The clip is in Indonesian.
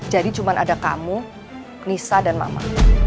jadi cuma ada kamu nisa dan mama